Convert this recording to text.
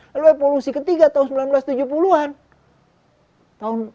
lalu evolusi ketiga tahun seribu sembilan ratus tujuh puluh an tahun